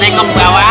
tengok ke bawah